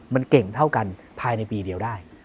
มันเก่งเท่ากันภายในปีเดียวได้